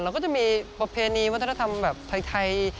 ก็จะมีประเพณีวัฒนธรรมแบบไทย